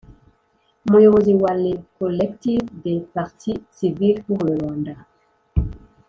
umuyobozi wa le collectif des parties civiles pour le rwanda.